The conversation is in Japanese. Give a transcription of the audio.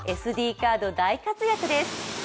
カード大活躍です。